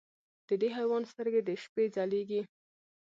د دې حیوان سترګې د شپې ځلېږي.